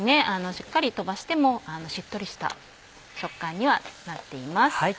しっかり飛ばしてもしっとりした食感にはなっています。